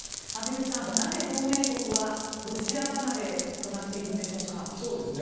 畔蒜さん、なぜ同盟国はロシア離れとなっているんでしょうか。